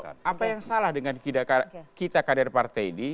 jadi begini pasto apa yang salah dengan kita kader partai ini